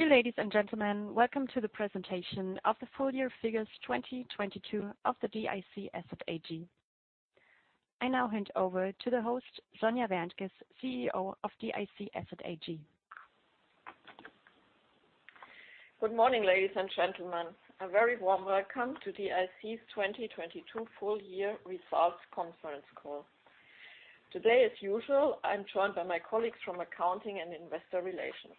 Dear ladies and gentlemen, welcome to the presentation of the full year figures 2022 of the DIC Asset AG. I now hand over to the host, Sonja Wärntges, CEO of DIC Asset AG. Good morning, ladies and gentlemen. A very warm welcome to DIC's 2022 full year results conference call. Today, as usual, I'm joined by my colleagues from accounting and Investor Relations.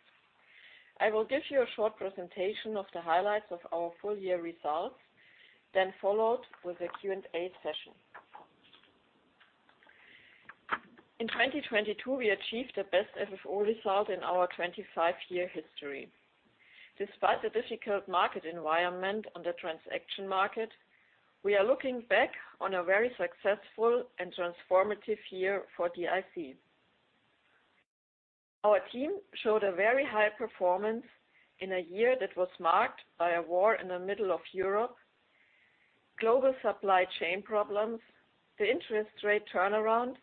I will give you a short presentation of the highlights of our full year results, then followed with a Q&A session. In 2022, we achieved the best FFO result in our 25-year history. Despite the difficult market environment on the transaction market, we are looking back on a very successful and transformative year for DIC. Our team showed a very high performance in a year that was marked by a war in the middle of Europe, global supply chain problems, the interest rate turnaround,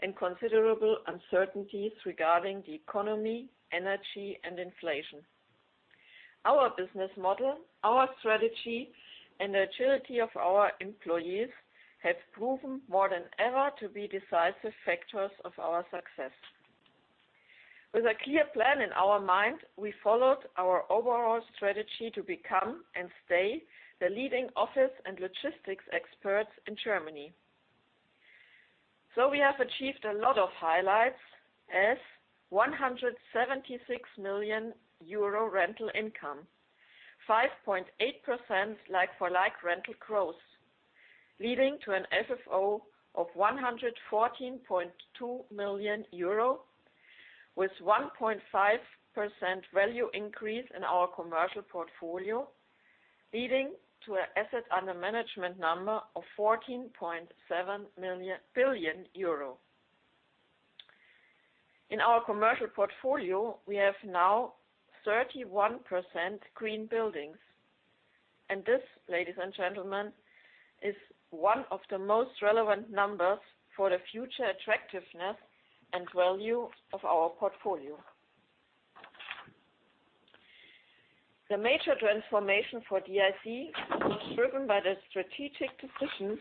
and considerable uncertainties regarding the economy, energy, and inflation. Our business model, our strategy, and the agility of our employees have proven more than ever to be decisive factors of our success. With a clear plan in our mind, we followed our overall strategy to become and stay the leading office and logistics experts in Germany. We have achieved a lot of highlights as 176 million euro rental income, 5.8% like-for-like rental growth, leading to an FFO of 114.2 million euro, with 1.5% value increase in our Commercial Portfolio, leading to an assets under management number of 14.7 billion euro. In our Commercial Portfolio, we have now 31% green buildings. This, ladies and gentlemen, is one of the most relevant numbers for the future attractiveness and value of our portfolio. The major transformation for DIC was driven by the strategic decision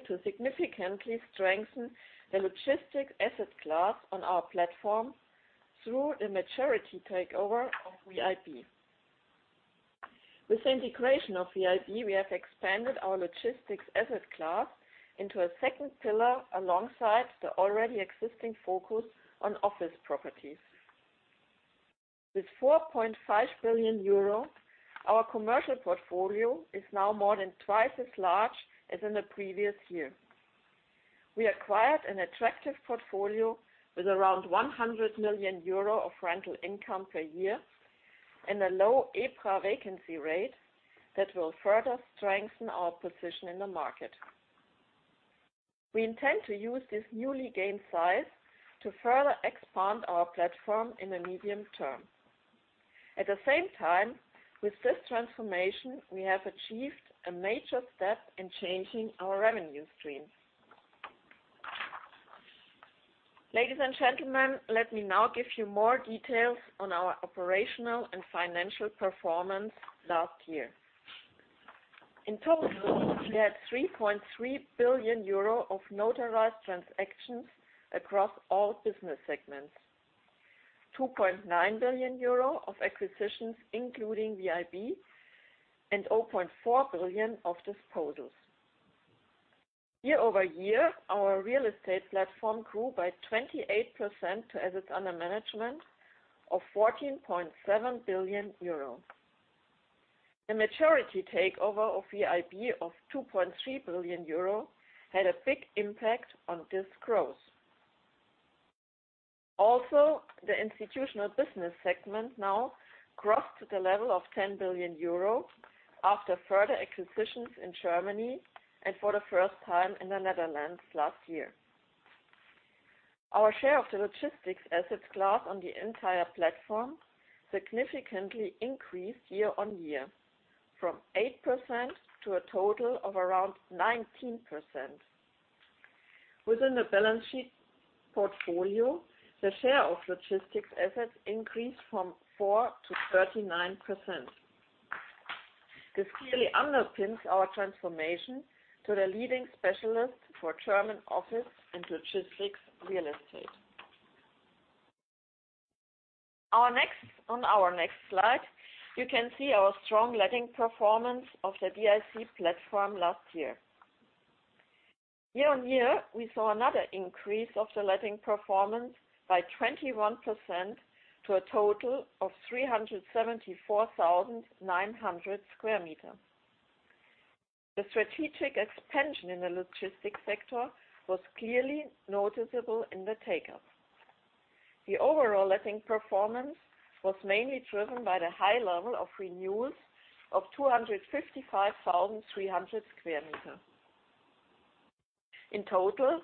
to significantly strengthen the logistics asset class on our platform through the majority takeover of VIB. With the integration of VIB, we have expanded our logistics asset class into a second pillar alongside the already existing focus on office properties. With 4.5 billion euro, our commercial portfolio is now more than twice as large as in the previous year. We acquired an attractive portfolio with around 100 million euro of rental income per year and a low EPRA vacancy rate that will further strengthen our position in the market. We intend to use this newly gained size to further expand our platform in the medium term. At the same time, with this transformation, we have achieved a major step in changing our revenue stream. Ladies and gentlemen, let me now give you more details on our operational and financial performance last year. In total, we had 3.3 billion euro of notarized transactions across all business segments. 2.9 billion euro of acquisitions, including VIB, and 0.4 billion of disposals. Year over year, our real estate platform grew by 28% to assets under management of 14.7 billion euro. The majority takeover of VIB of 2.3 billion euro had a big impact on this growth. The institutional business segment now crossed the level of 10 billion euro after further acquisitions in Germany and for the first time in the Netherlands last year. Our share of the logistics assets class on the entire platform significantly increased year on year from 8% to a total of around 19%. Within the balance sheet portfolio, the share of logistics assets increased from 4%-39%. This clearly underpins our transformation to the leading specialist for German office and logistics real estate. On our next slide, you can see our strong letting performance of the DIC platform last year. Year-on-year, we saw another increase of the letting performance by 21% to a total of 374,900 square meter. The strategic expansion in the logistics sector was clearly noticeable in the take-up. The overall letting performance was mainly driven by the high level of renewals of 255,300 square meter. In total,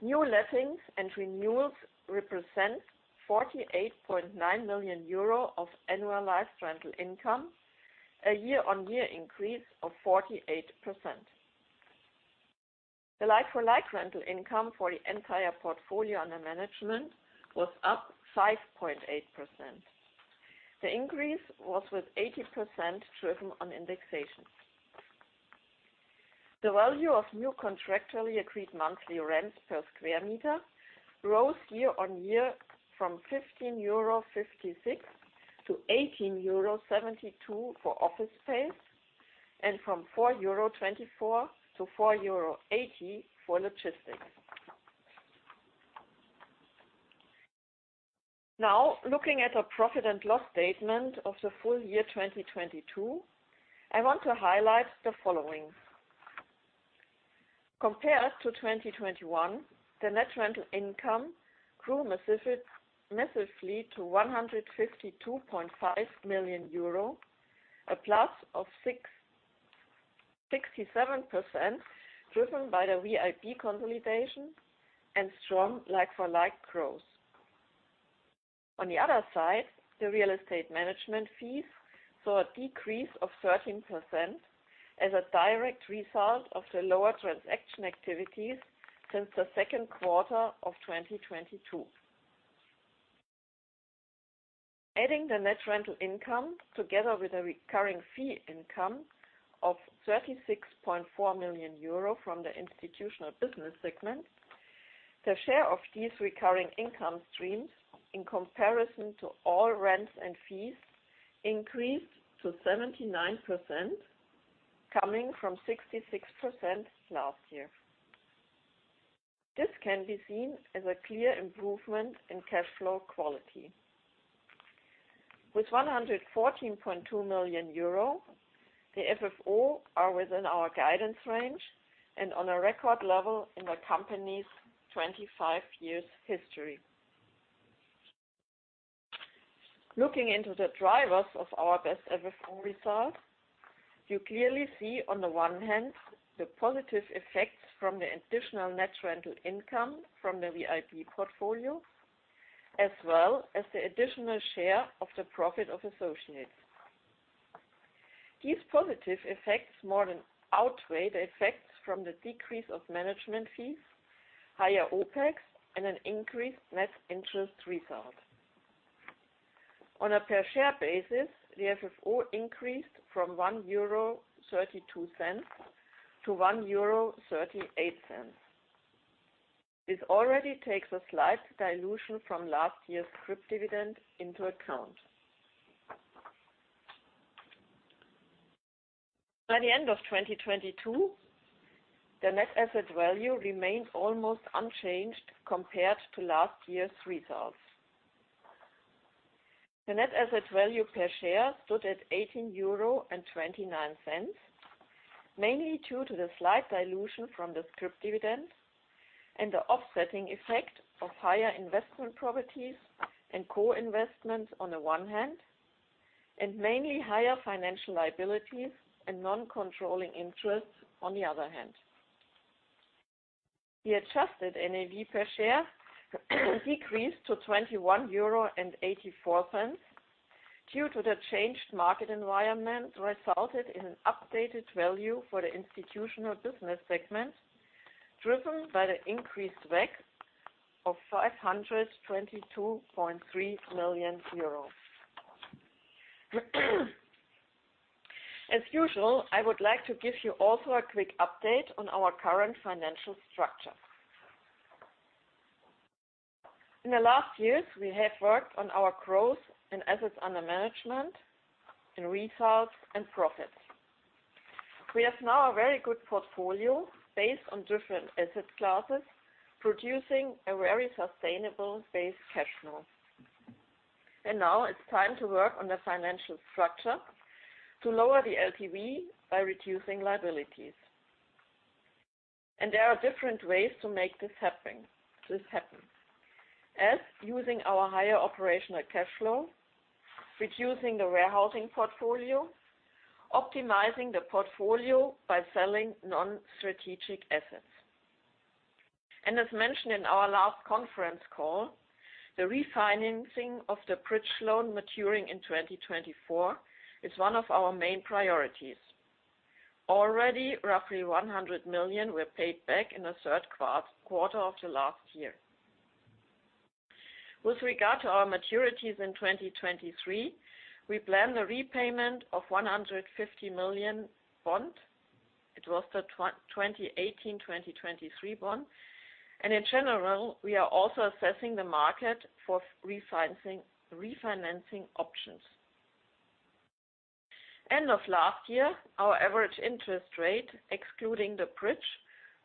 new lettings and renewals represent 48.9 million euro of annualized rental income, a year-on-year increase of 48%. The like-for-like rental income for the entire portfolio under management was up 5.8%. The increase was with 80% driven on indexation. The value of new contractually agreed monthly rents per square meter rose year on year from 15.56 euro to 18.72 euro for office space and from 4.24 euro to 4.80 euro for logistics. Looking at our profit and loss statement of the full year 2022, I want to highlight the following. Compared to 2021, the net rental income grew massively to 152.5 million euro, a plus of 67% driven by the VIB consolidation and strong like-for-like growth. On the other side, the real estate management fees saw a decrease of 13% as a direct result of the lower transaction activities since the second quarter of 2022. Adding the net rental income together with a recurring fee income of 36.4 million euro from the Institutional Business segment, the share of these recurring income streams in comparison to all rents and fees increased to 79% coming from 66% last year. This can be seen as a clear improvement in cash flow quality. With 114.2 million euro, the FFO are within our guidance range and on a record level in the company's 25 years history. Looking into the drivers of our best ever full result, you clearly see on the one hand, the positive effects from the additional net rental income from the VIB portfolio, as well as the additional share of the profit of associates. These positive effects more than outweigh the effects from the decrease of management fees, higher OpEx and an increased net interest result. On a per share basis, the FFO increased from 1.32 euro to 1.38 euro. This already takes a slight dilution from last year's scrip dividend into account. By the end of 2022, the net asset value remained almost unchanged compared to last year's results. The NAV per share stood at 18.29 euro, mainly due to the slight dilution from the scrip dividend and the offsetting effect of higher investment properties and co-investments on the one hand, and mainly higher financial liabilities and non-controlling interests on the other hand. The Adjusted NAV per share decreased to 21.84 euro due to the changed market environment resulted in an updated value for the institutional business segment, driven by the increased weight of 522.3 million euros. As usual, I would like to give you also a quick update on our current financial structure. In the last years, we have worked on our growth and assets under management, in results and profits. We have now a very good portfolio based on different asset classes, producing a very sustainable base cash flow. Now it's time to work on the financial structure to lower the LTV by reducing liabilities. There are different ways to make this happen. As using our higher operational cash flow, reducing the warehousing portfolio, optimizing the portfolio by selling non-strategic assets. As mentioned in our last conference call, the refinancing of the bridge loan maturing in 2024 is one of our main priorities. Already, roughly 100 million were paid back in the third quarter of the last year. With regard to our maturities in 2023, we plan the repayment of 150 million bond. It was the 2018 to 2023 bond. In general, we are also assessing the market for refinancing options. End of last year, our average interest rate, excluding the bridge,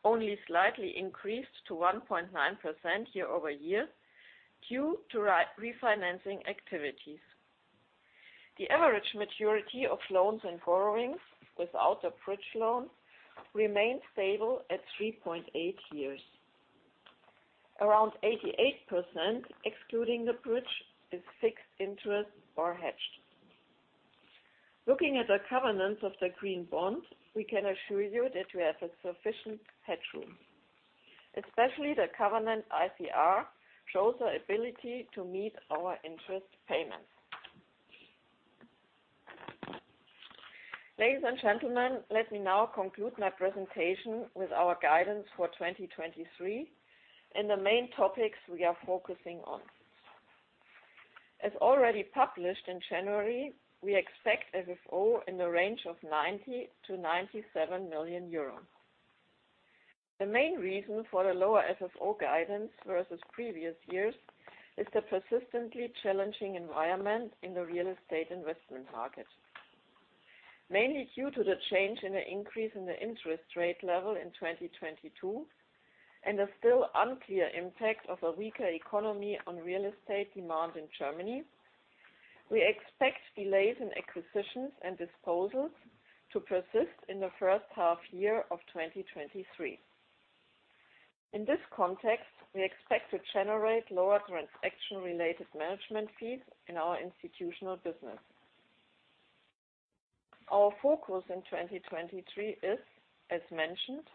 only slightly increased to 1.9% year-over-year due to refinancing activities. The average maturity of loans and borrowings without the bridge loan remained stable at 3.8 years. Around 88% excluding the bridge is fixed interest or hedged. Looking at the covenants of the green bond, we can assure you that we have a sufficient headroom, especially the covenant ICR shows the ability to meet our interest payments. Ladies and gentlemen, let me now conclude my presentation with our guidance for 2023 and the main topics we are focusing on. As already published in January, we expect FFO in the range of 90 million-97 million euros. The main reason for the lower FFO guidance versus previous years is the persistently challenging environment in the real estate investment market. Mainly due to the change in the increase in the interest rate level in 2022 and the still unclear impact of a weaker economy on real estate demand in Germany, we expect delays in acquisitions and disposals to persist in the first half year of 2023. In this context, we expect to generate lower transaction related management fees in our institutional business. Our focus in 2023 is, as mentioned,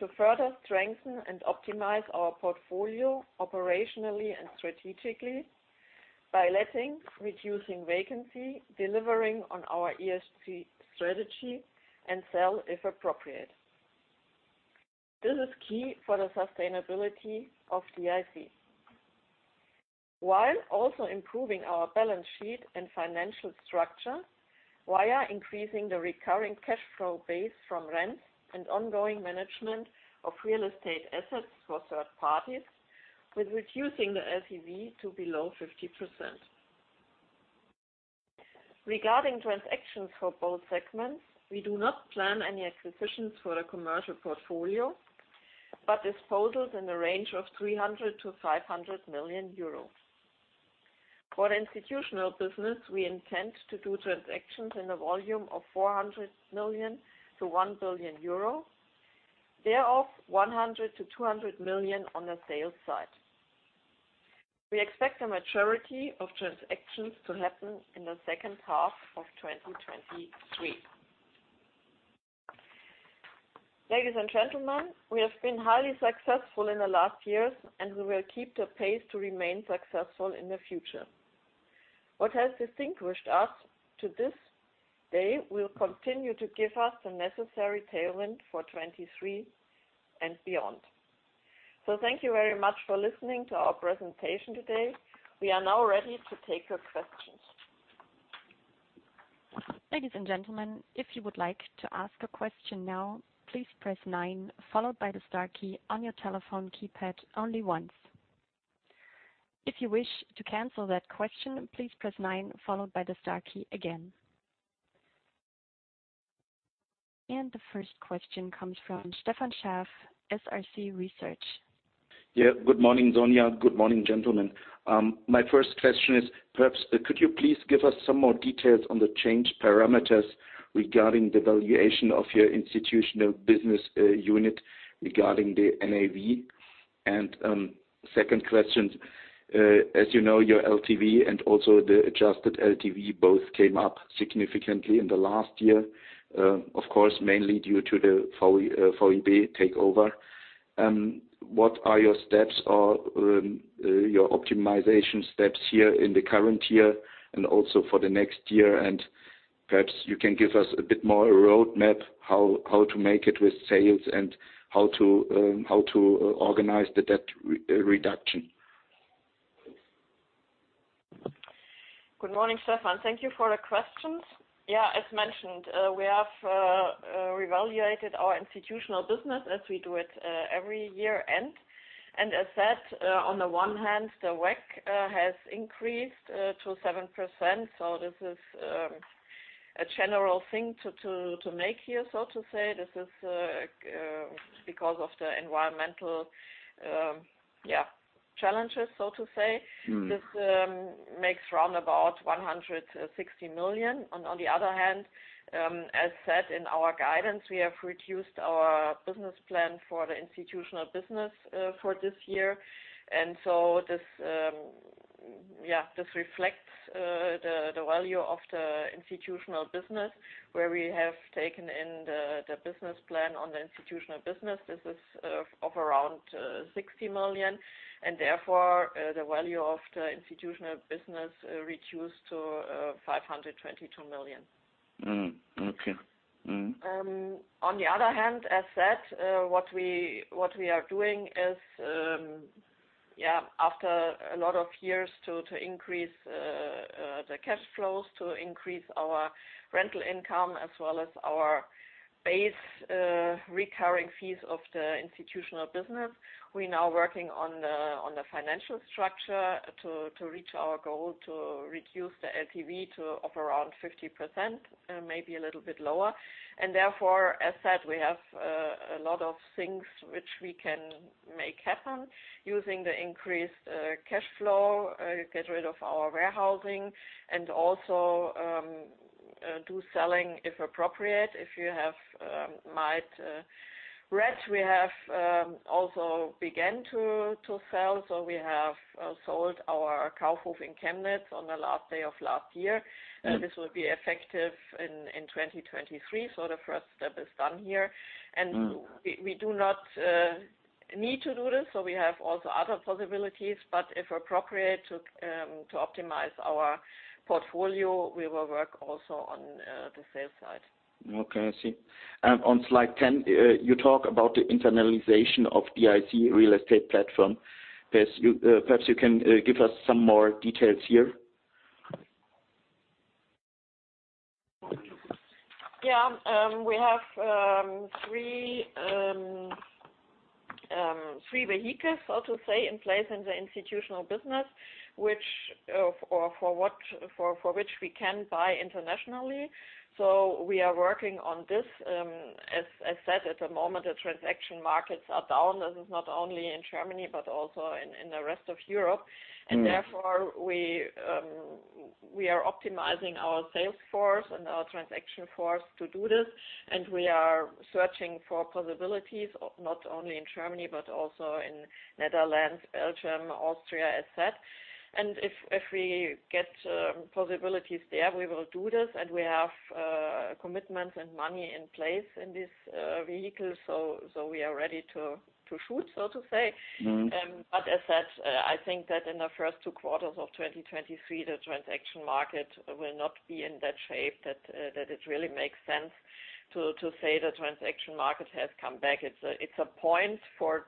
to further strengthen and optimize our portfolio operationally and strategically by letting, reducing vacancy, delivering on our ESG strategy and sell if appropriate. This is key for the sustainability of DIC. Also improving our balance sheet and financial structure via increasing the recurring cash flow base from rents and ongoing management of real estate assets for third parties with reducing the LTV to below 50%. Regarding transactions for both segments, we do not plan any acquisitions for the commercial portfolio, but disposals in the range of 300 million-500 million euros. For Institutional Business, we intend to do transactions in the volume of 400 million-1 billion euro. Thereof 100 million-200 million on the sales side. We expect the maturity of transactions to happen in the second half of 2023. Ladies and gentlemen, we have been highly successful in the last years, and we will keep the pace to remain successful in the future. What has distinguished us to this day will continue to give us the necessary tailwind for 2023 and beyond. Thank you very much for listening to our presentation today. We are now ready to take your questions. Ladies and gentlemen, if you would like to ask a question now, please press 9 followed by the star key on your telephone keypad only once. If you wish to cancel that question, please press 9 followed by the star key again. The first question comes from Stefan Scharff, SRC Research. Yeah. Good morning, Sonja. Good morning, gentlemen. My first question is, perhaps could you please give us some more details on the change parameters regarding the valuation of your Institutional Business unit regarding the NAV? Second question, as you know, your LTV and also the Adjusted LTV both came up significantly in the last year, of course, mainly due to the VIB takeover. What are your steps or your optimization steps here in the current year and also for the next year? Perhaps you can give us a bit more roadmap how to make it with sales and how to organize the debt reduction. Good morning, Stefan. Thank you for the questions. As mentioned, we have revaluated our institutional business as we do it every year end. As said, on the one hand, the WACC has increased to 7%. This is a general thing to make here, so to say. This is because of the environmental challenges, so to say. Mm-hmm. This makes round about 160 million. On the other hand, as said in our guidance, we have reduced our business plan for the institutional business for this year. This reflects the value of the institutional business where we have taken in the business plan on the institutional business. This is of around 60 million. Therefore, the value of the institutional business reduced to 522 million. Mm-hmm. Okay. Mm-hmm. On the other hand, as said, what we are doing is, yeah, after a lot of years to increase the cash flows, to increase our rental income as well as our base recurring fees of the Institutional Business, we're now working on the financial structure to reach our goal to reduce the LTV to of around 50%, maybe a little bit lower. Therefore, as said, we have a lot of things which we can make happen using the increased cash flow, get rid of our warehousing and also do selling if appropriate. If you have might rent, we have also begun to sell. We have sold our Kaufhof in Chemnitz on the last day of last year. Mm-hmm. This will be effective in 2023. The first step is done here. Mm-hmm. We do not need to do this, so we have also other possibilities. If appropriate to optimize our portfolio, we will work also on the sales side. Okay, I see. On slide 10, you talk about the internalization of DIC real estate platform. Perhaps you can give us some more details here. Yeah. We have three vehicles, so to say, in place in the Institutional Business, for which we can buy internationally. We are working on this. As I said, at the moment, the transaction markets are down. This is not only in Germany, but also in the rest of Europe. Mm. Therefore we are optimizing our sales force and our transaction force to do this. We are searching for possibilities, not only in Germany, but also in Netherlands, Belgium, Austria as said. If we get possibilities there, we will do this. We have commitments and money in place in this vehicle, so we are ready to shoot, so to say. Mm-hmm. As said, I think that in the first two quarters of 2023, the transaction market will not be in that shape that it really makes sense to say the transaction market has come back. It's a point for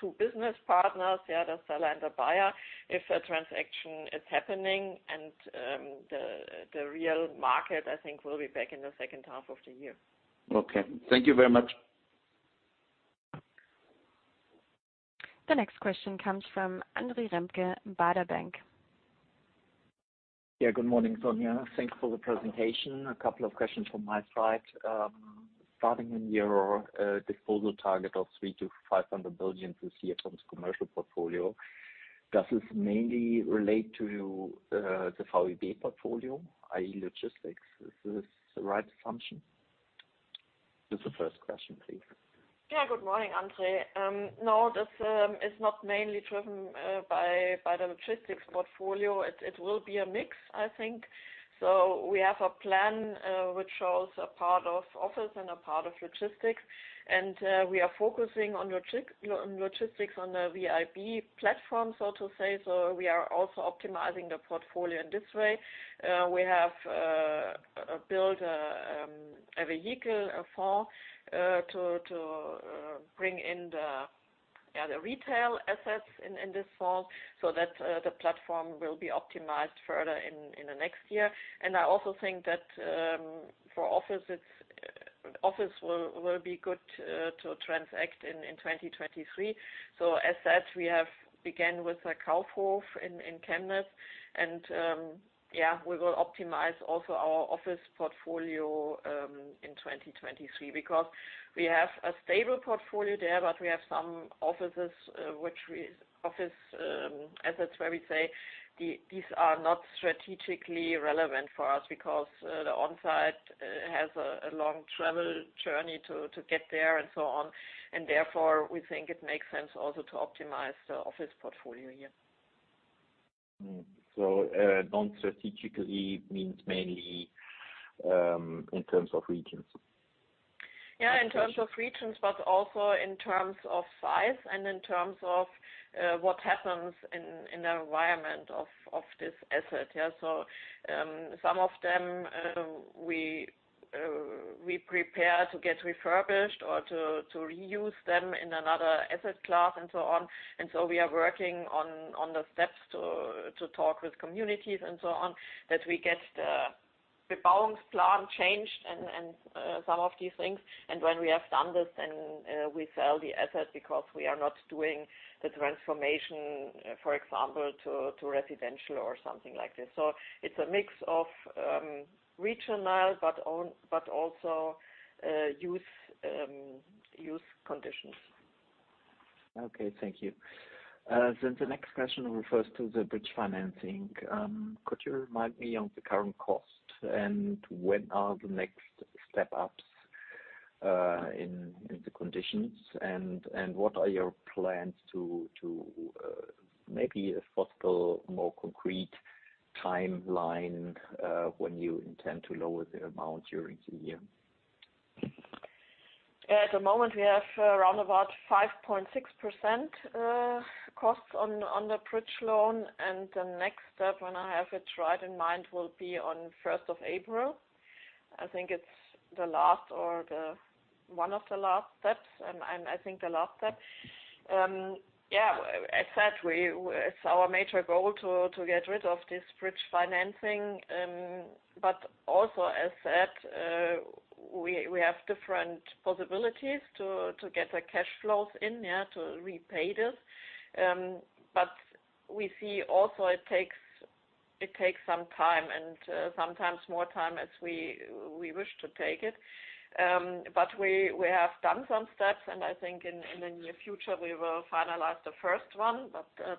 two business partners, the seller and the buyer, if a transaction is happening. The real market, I think, will be back in the second half of the year. Okay. Thank you very much. The next question comes from Andre Remke, Baader Bank. Yeah, good morning, Sonja. Thanks for the presentation. A couple of questions from my side. starting in your disposal target of 300 billion-500 billion through COP's commercial portfolio. Does this mainly relate to the VIB portfolio, i.e. logistics? Is this the right assumption? This is the first question, please. Good morning, Andre. No, this is not mainly driven by the logistics portfolio. It will be a mix, I think. We have a plan which shows a part of office and a part of logistics. We are focusing on logistics on the VIB platform, so to say. We are also optimizing the portfolio in this way. We have built a vehicle, a fund to bring in the retail assets in this fund so that the platform will be optimized further in the next year. I also think that for office will be good to transact in 2023. As said, we have began with the Kaufhof in Chemnitz. Yeah, we will optimize also our office portfolio in 2023 because we have a stable portfolio there, but we have some offices, assets where we say these are not strategically relevant for us because the on-site has a long travel journey to get there and so on. Therefore, we think it makes sense also to optimize the office portfolio, yeah. non-strategically means mainly, in terms of regions? In terms of regions, but also in terms of size and in terms of what happens in the environment of this asset. Some of them, we prepare to get refurbished or to reuse them in another asset class and so on. We are working on the steps to talk with communities and so on, that we get the business plan changed and some of these things. When we have done this, we sell the asset because we are not doing the transformation, for example, to residential or something like this. It's a mix of regional, but also use conditions. Okay, thank you. The next question refers to the bridge financing. Could you remind me of the current cost and when are the next step-ups in the conditions? What are your plans to maybe if possible, more concrete timeline, when you intend to lower the amount during the year? At the moment, we have around about 5.6% costs on the bridge loan. The next step, when I have it right in mind, will be on 1st of April. I think it's the last or one of the last steps. I think the last step. Yeah, as said, it's our major goal to get rid of this bridge financing. But also, as said, we have different possibilities to get the cash flows in, yeah, to repay this. But we see also it takes some time, and sometimes more time as we wish to take it. But we have done some steps, and I think in the near future, we will finalize the first one.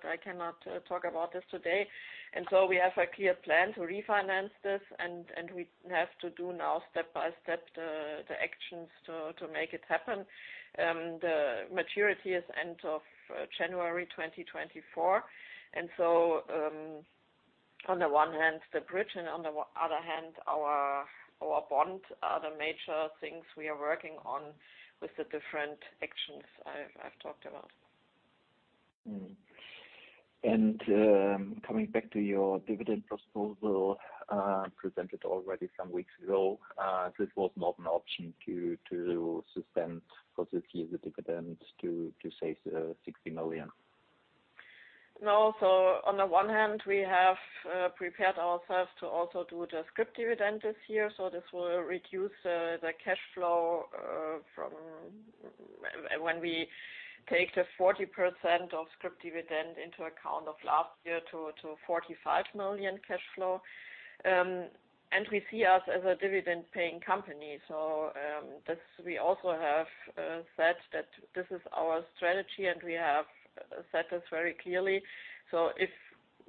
I cannot talk about this today. We have a clear plan to refinance this and we have to do now step by step the actions to make it happen. The maturity is end of January 2024. On the one hand, the bridge, and on the other hand, our bond are the major things we are working on with the different actions I've talked about. Coming back to your dividend proposal, presented already some weeks ago, this was not an option to suspend for this year the dividend to save 60 million. No. On the one hand, we have prepared ourselves to also do the scrip dividend this year. This will reduce the cash flow from when we take the 40% of scrip dividend into account of last year to 45 million cash flow. We see us as a dividend paying company. That's we also have said that this is our strategy, and we have set this very clearly. If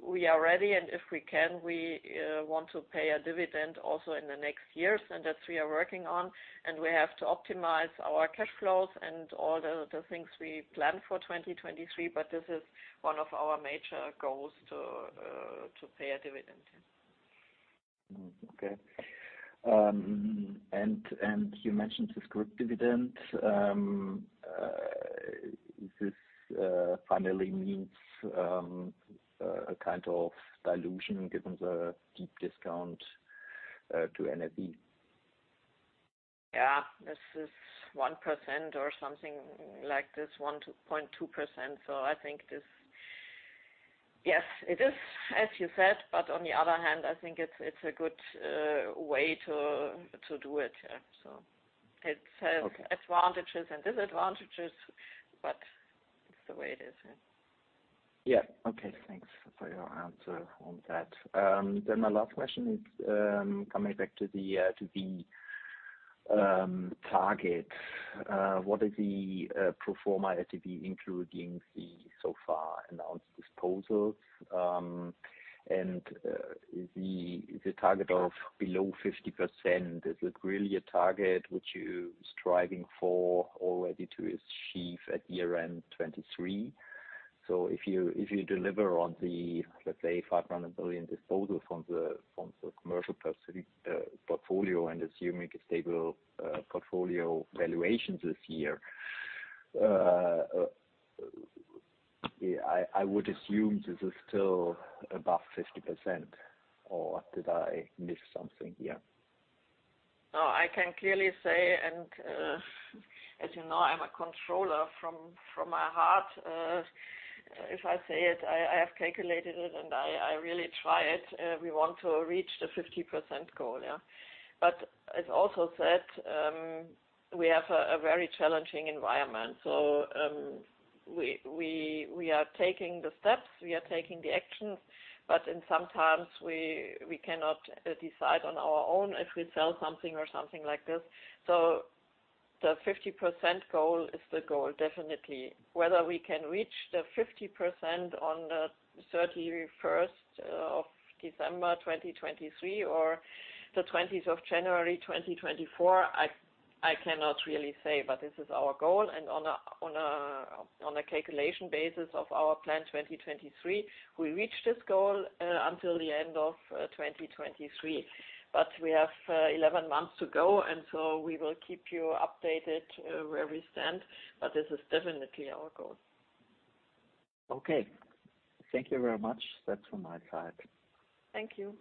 we are ready, and if we can, we want to pay a dividend also in the next years, and that we are working on, and we have to optimize our cash flows and all the things we plan for 2023. This is one of our major goals to pay a dividend. Okay. You mentioned the scrip dividend. This finally means a kind of dilution given the deep discount to NAV. Yeah. This is 1% or something like this, 1% to 0.2%. I think this, yes, it is, as you said, but on the other hand, I think it's a good way to do it. Yeah. It has- Okay. advantages and disadvantages, but it's the way it is. Yeah. Yeah. Okay. Thanks for your answer on that. My last question is, coming back to the target, what is the pro forma FFO, including the so far announced disposals? The target of below 50%, is it really a target which you striving for already to achieve at year end 2023? If you deliver on the, let's say, 500 million disposal from the commercial portfolio, and assuming a stable portfolio valuation this year, I would assume this is still above 50%, or did I miss something here? No, I can clearly say, as you know, I'm a controller from my heart, if I say it, I have calculated it, and I really try it. We want to reach the 50% goal. Yeah. It also said, we have a very challenging environment. We are taking the steps. We are taking the actions, but in sometimes we cannot decide on our own if we sell something or something like this. The 50% goal is the goal, definitely. Whether we can reach the 50% on the 31st of December 2023, or the 20th of January 2024, I cannot really say, but this is our goal. On a calculation basis of our plan 2023, we reach this goal until the end of 2023. We have 11 months to go, and so we will keep you updated where we stand, but this is definitely our goal. Okay. Thank you very much. That's from my side. Thank you.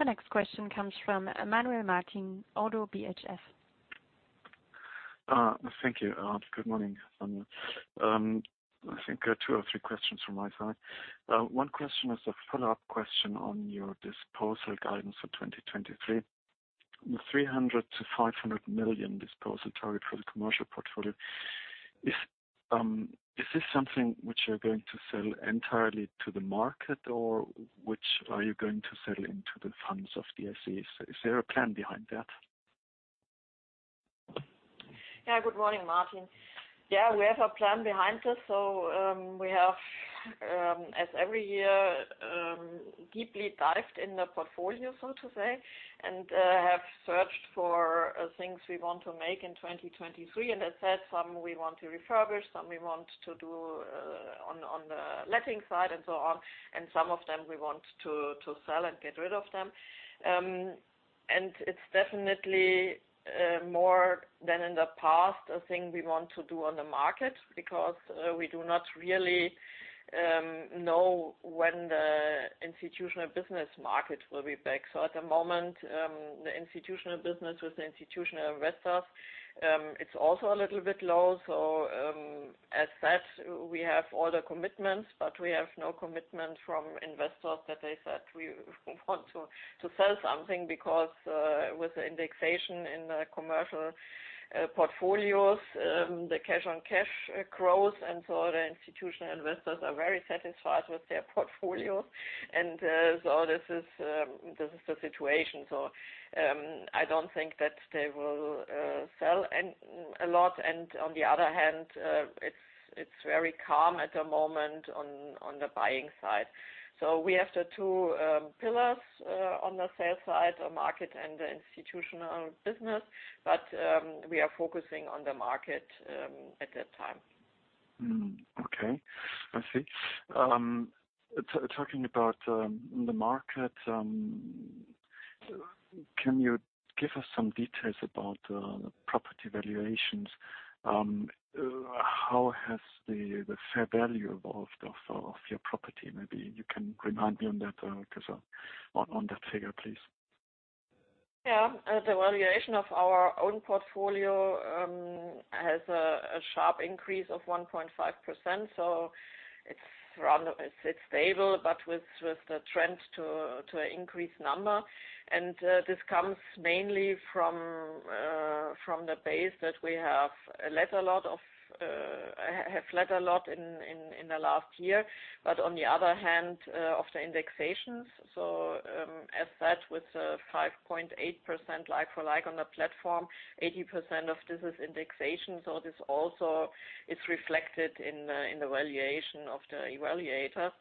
The next question comes from Manuel Martin, ODDO BHF. Thank you. Good morning, Daniela. I think, two or three questions from my side. One question is a follow-up question on your disposal guidance for 2023. The 300 million-500 million disposal target for the Commercial Portfolio. Is this something which you're going to sell entirely to the market, or which are you going to sell into the funds of DSE? Is there a plan behind that? Good morning, Martin. We have a plan behind this. We have as every year, deeply dived in the portfolio, so to say, and have searched for things we want to make in 2023. As said, some we want to refurbish, some we want to do on the letting side and so on, and some of them we want to sell and get rid of them. It's definitely more than in the past, a thing we want to do on the market because we do not really know when the institutional business market will be back. At the moment, the institutional business with the institutional investors, it's also a little bit low. As said, we have all the commitments, but we have no commitment from investors that they said we want to sell something because with the indexation in the commercial portfolios, the cash on cash grows. The institutional investors are very satisfied with their portfolio. This is the situation. I don't think that they will sell a lot. On the other hand, it's very calm at the moment on the buying side. We have the two pillars on the sale side, the market and the institutional business, but we are focusing on the market at that time. Okay. I see. Talking about the market, can you give us some details about the property valuations? How has the fair value evolved of your property? Maybe you can remind me on that, because on that figure, please. Yeah. The valuation of our own portfolio has a sharp increase of 1.5%. It's round, it's stable, but with the trend to an increased number. This comes mainly from the base that we have let a lot of have let a lot in the last year. On the other hand, of the indexations. As said, with 5.8% like-for-like on the platform, 80% of this is indexation. This also is reflected in the valuation of the evaluator.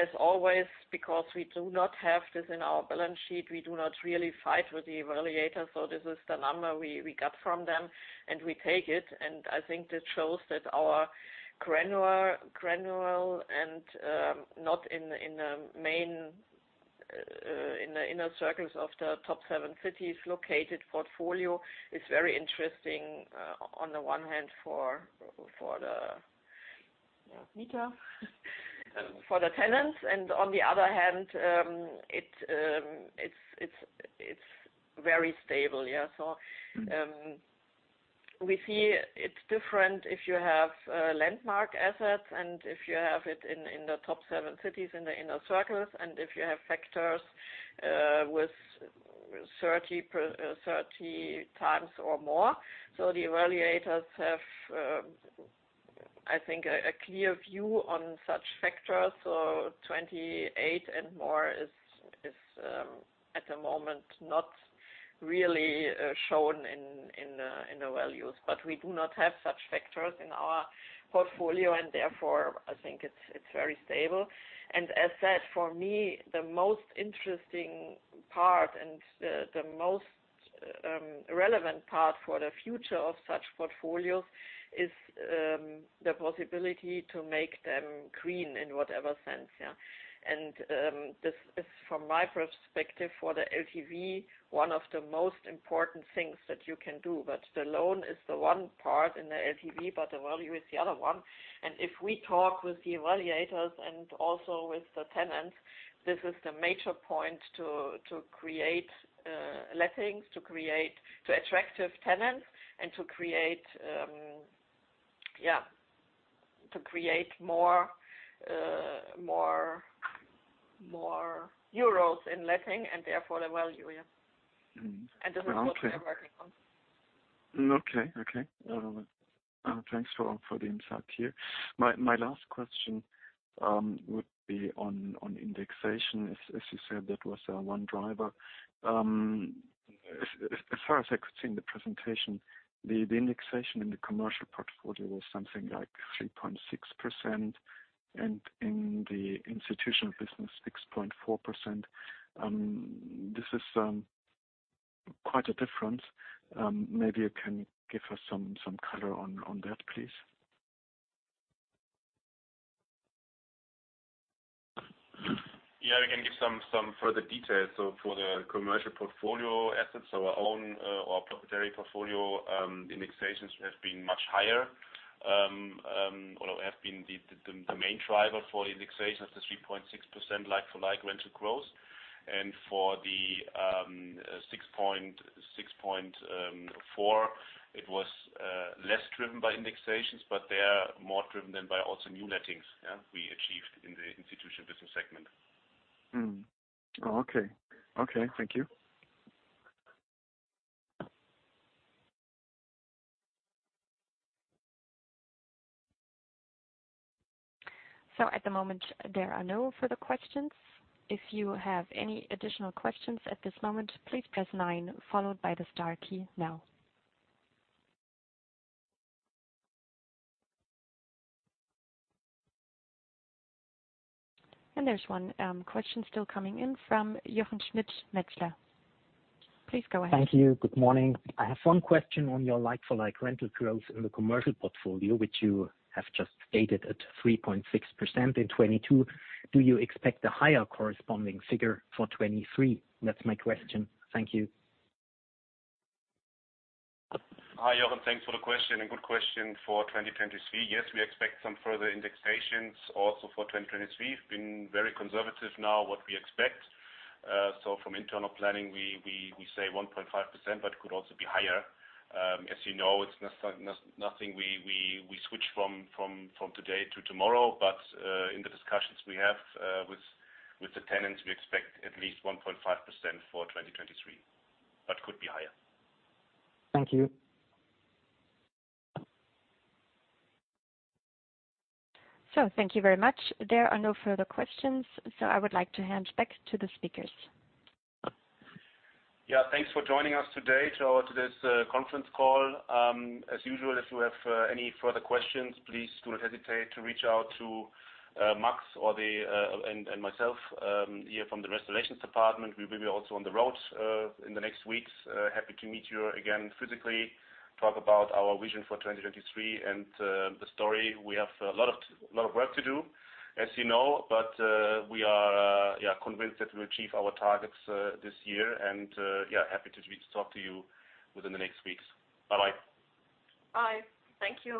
As always, because we do not have this in our balance sheet, we do not really fight with the evaluators. This is the number we got from them, and we take it. I think this shows that our granular and not in the main in the inner circles of the top seven cities located portfolio is very interesting on the one hand for the Nita for the tenants. On the other hand, it's very stable. We see it's different if you have landmark assets and if you have it in the top seven cities in the inner circles and if you have factors with 30 times or more. The evaluators have I think a clear view on such factors. 28 and more is at the moment not really shown in the values. We do not have such factors in our portfolio and therefore I think it's very stable. As said, for me, the most interesting part and the most relevant part for the future of such portfolios is the possibility to make them green in whatever sense, yeah. This is from my perspective, for the LTV, one of the most important things that you can do. The loan is the one part in the LTV, but the value is the other one. If we talk with the evaluators and also with the tenants, this is the major point to create lettings, to create attractive tenants and to create, yeah, to create more euros in letting and therefore the value, yeah. Mm-hmm. This is what we are working on. Okay. Thanks for the insight here. My last question would be on indexation. As you said, that was one driver. As far as I could see in the presentation, the indexation in the Commercial Portfolio was something like 3.6% and in the Institutional Business, 6.4%. This is quite a difference. Maybe you can give us some color on that, please. We can give some further details. For the Commercial Portfolio assets, our own, our proprietary portfolio, indexations have been much higher, or have been the main driver for indexation of the 3.6% like-for-like rental growth. For the 6.4%, it was less driven by indexations, but they are more driven then by also new lettings we achieved in the Institutional Business segment. Okay. Okay. Thank you. At the moment, there are no further questions. If you have any additional questions at this moment, please press nine followed by the star key now. There's one question still coming in from Jochen Schmitt, Metzler. Please go ahead. Thank you. Good morning. I have one question on your like-for-like rental growth in the Commercial Portfolio, which you have just stated at 3.6% in 2022. Do you expect a higher corresponding figure for 2023? That's my question. Thank you. Hi, Jochen. Thanks for the question and good question. For 2023, yes, we expect some further indexations also for 2023. Been very conservative now what we expect. From internal planning, we say 1.5%, but could also be higher. As you know, it's not something we switch from today to tomorrow. In the discussions we have with the tenants, we expect at least 1.5% for 2023, but could be higher. Thank you. Thank you very much. There are no further questions. I would like to hand back to the speakers. Yeah, thanks for joining us today to this conference call. As usual, if you have any further questions, please do not hesitate to reach out to Max or the and myself here from the Investor Relations department. We will be also on the road in the next weeks. Happy to meet you again physically, talk about our vision for 2023 and the story. We have a lot of work to do, as you know, but we are, yeah, convinced that we'll achieve our targets this year. Yeah, happy to talk to you within the next weeks. Bye-bye. Bye. Thank you.